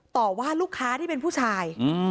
ต่อว่าลูกค้าที่เป็นผู้ชาย